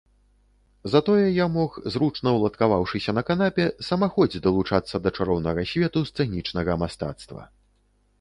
Затое я мог, зручна ўладкаваўшыся на канапе, самахоць далучацца да чароўнага свету сцэнічнага мастацтва.